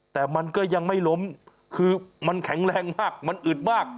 แต่มันก็ยังไม่ล้มคือมันแข็งแรงมากมันอึดมาก